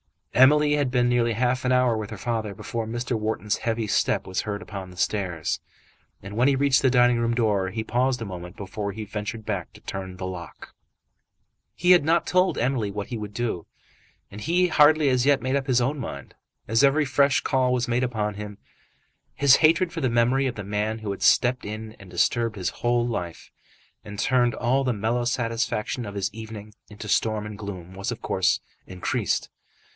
Emily had been nearly half an hour with her father before Mr. Wharton's heavy step was heard upon the stairs. And when he reached the dining room door he paused a moment before he ventured to turn the lock. He had not told Emily what he would do, and had hardly as yet made up his own mind. As every fresh call was made upon him, his hatred for the memory of the man who had stepped in and disturbed his whole life, and turned all the mellow satisfaction of his evening into storm and gloom, was of course increased.